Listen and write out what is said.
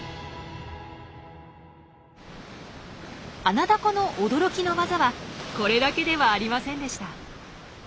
アナダコの驚きの技はこれだけではありませんでした。